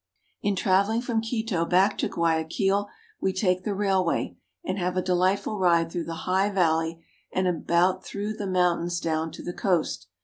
In traveling from Quito back to Guayaquil we take the railway, and have a delightful ride through the high val ley and about through the mountains down to the coast.